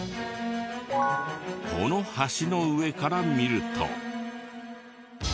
この橋の上から見ると。